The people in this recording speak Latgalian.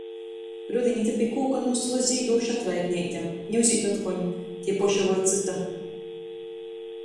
Rudiņ ite pi kūka nūsola zīdūša atraitneite, niu zīd otkon - tei poša voi cyta.